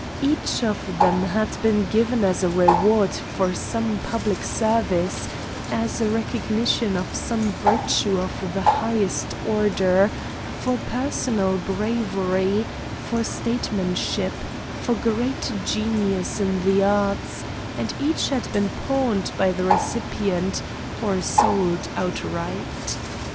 Each of them had been given as a reward for some public service, as a recognition of some virtue of the highest order for personal bravery, for statesmanship, for great genius in the arts; and each had been pawned by the recipient or sold outright.